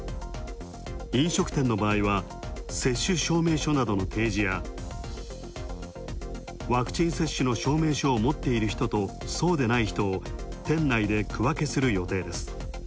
飲食店の場合は、接種証明書などの提示や、ワクチン接種の証明書を持っている人とそうでない人を店内で区分けする予定です。